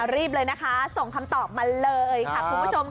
รีบเลยนะคะส่งคำตอบมาเลยค่ะคุณผู้ชม